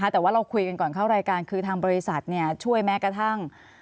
แต่ว่าเราคุยกันก่อนเข้ารายการคือทางบริษัทช่วยแม้กระทั่ง